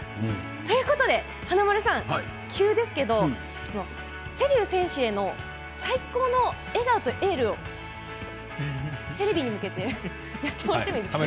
ということで、華丸さん急ですけど瀬立選手への最高の笑顔とエールをテレビに向けてやってもらってもいいですか？